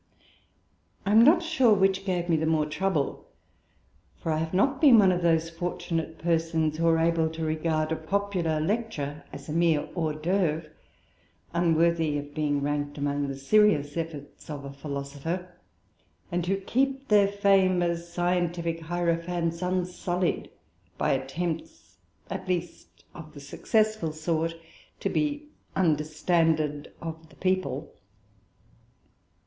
I am not sure which gave me the more trouble. For I have not been one of those fortunate persons who are able to regard a popular lecture as a mere hors d'oeuvre, unworthy of being ranked among the serious efforts of a philosopher; and who keep their fame as scientific hierophants unsullied by attempts at least of the successful sort to be understanded of the people.